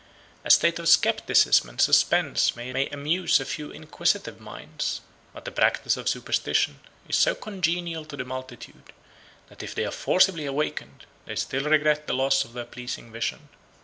A state of scepticism and suspense may amuse a few inquisitive minds. But the practice of superstition is so congenial to the multitude, that if they are forcibly awakened, they still regret the loss of their pleasing vision.